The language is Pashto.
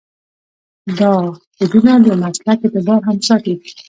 دا کودونه د مسلک اعتبار هم ساتي.